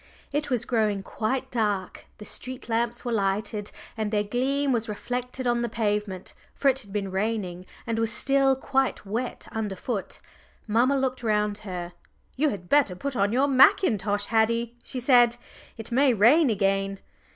It was growing quite dark; the street lamps were lighted and their gleam was reflected on the pavement, for it had been raining and was still quite wet underfoot. Mamma looked round her. "You had better put on your mackintosh, Haddie," she said. "It may rain again.